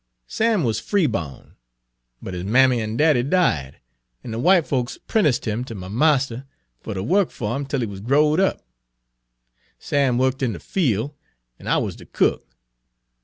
Sam wuz freebawn, but his mammy and daddy died, an' de w'ite folks 'prenticed him ter my marster fer ter work fer 'im 'tel he wuz growed up. Sam worked in de fiel', an' I wuz de cook.